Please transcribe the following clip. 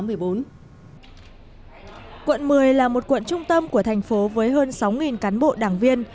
quận một mươi là một quận trung tâm của thành phố với hơn sáu cán bộ đảng viên